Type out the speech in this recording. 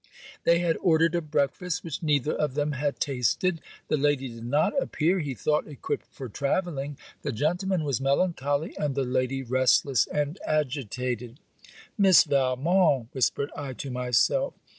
They had ordered a breakfast which neither of them had tasted. The lady did not appear, he thought, equipped for travelling. The gentleman was melancholy, and the lady restless and agitated. Miss Valmont: whispered I to myself.